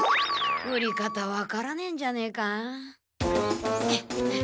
売り方わからねえんじゃねえか？